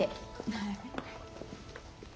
はい。